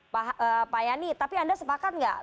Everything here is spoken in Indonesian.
pak yani tapi anda sepakat nggak